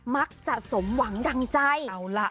มักจะสมหวังดังใจเอาล่ะ